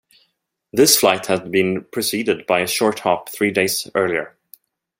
This flight had been preceded by a short hop three days earlier.